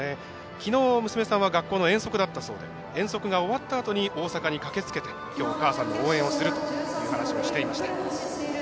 きのう、娘さんは学校の遠足だったそうで遠足が終わったあと、大阪に駆けつけきょうお母さんの応援をするという話をしていました。